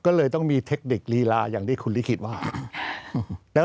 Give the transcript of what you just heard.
ก็เลยต้องมีเทคนิคดีลาอย่างที่คุณลิขิตว่า